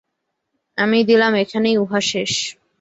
আমি দিলাম, এখানেই উহা শেষ।